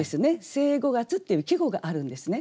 「聖五月」っていう季語があるんですね。